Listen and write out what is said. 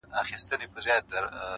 لكه گلاب چي سمال ووهي ويده سمه زه.